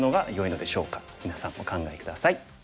みなさんお考え下さい。